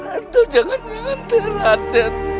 atau jangan nyantir adit